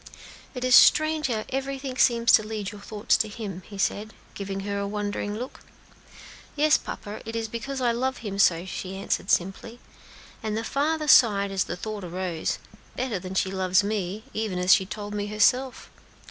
"It is strange how everything seems to lead your thoughts to Him," he said, giving her a wondering look. "Yes, papa, it is because I love Him so," she answered, simply; and the father sighed as the thought arose, "Better than she loves me, even as she told me herself.